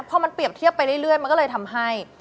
พอมันเปรียบเทียบไปเรื่อยมันก็เลยทำให้